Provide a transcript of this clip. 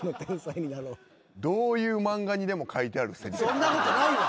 そんなことないわ！